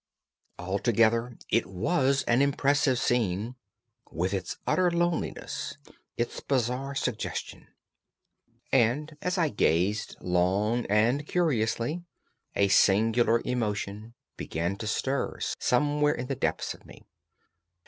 Altogether it was an impressive scene, with its utter loneliness, its bizarre suggestion; and as I gazed, long and curiously, a singular emotion began to stir somewhere in the depths of me.